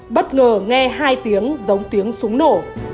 bất ngờ nghe hai tiếng giống tiếng súng nổ